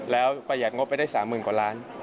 แล้วประหยัดงบไปได้๓๐๐๐กว่าล้าน